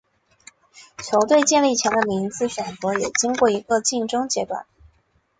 球队建立前的名字选择也经过一个竞争阶段。